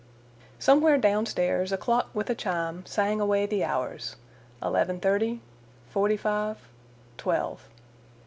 Somewhere down stairs a clock with a chime sang away the hours—eleven thirty, forty five, twelve.